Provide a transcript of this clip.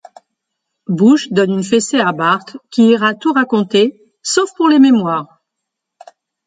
Bush donne une fessée à Bart qui ira tout raconter sauf pour les mémoires.